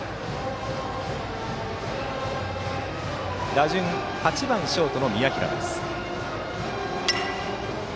打順、８番ショートの宮平です。